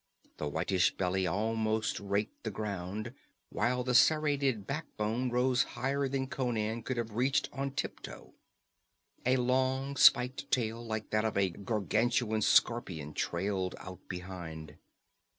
The whitish belly almost raked the ground, while the serrated back bone rose higher than Conan could have reached on tiptoe. A long spiked tail, like that of a gargantuan scorpion, trailed out behind.